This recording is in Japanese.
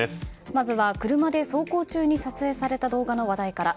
まずは車で走行中に撮影された動画の話題から。